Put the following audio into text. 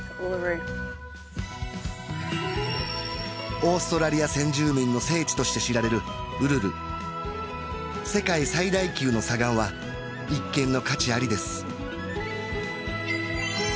オーストラリア先住民の聖地として知られるウルル世界最大級の砂岩は一見の価値ありです